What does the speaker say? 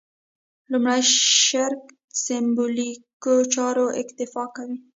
لومړي شرک سېمبولیکو چارو اکتفا کوي.